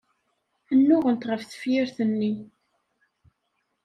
Nnuɣent ɣef tefyirt-nni.